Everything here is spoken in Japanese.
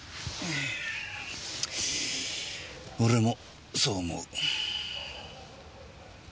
俺もそう思う。